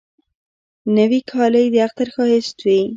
نوې کالی د اختر ښایست وي